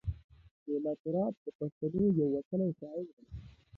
مطیع الله تراب د پښتنو یو وتلی شاعر دی.